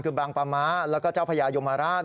คือบางปลาม้าแล้วก็เจ้าพญายมราช